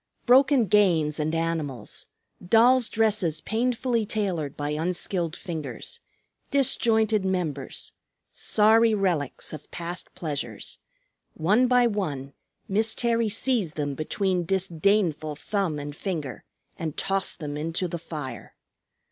Broken games and animals, dolls' dresses painfully tailored by unskilled fingers, disjointed members, sorry relics of past pleasures, one by one Miss Terry seized them between disdainful thumb and finger and tossed them into the fire.